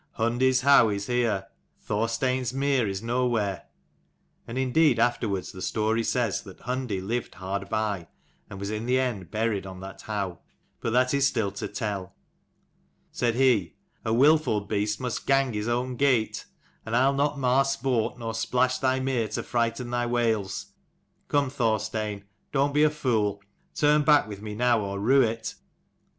" Hundi's howe is here, Thorstein's mere is nowhere." And indeed afterwards the story says that Hundi lived hard by, and was in the end buried on that howe: but that is still to tell. Said he, "A wilful beast must gang his own gate, and I'll not mar sport, nor splash thy mere to frighten thy whales. Come, Thorstein, don't be a fool. Turn back with me now, or rue it!"